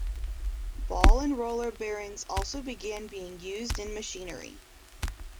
Ball and roller bearings also began being used in machinery.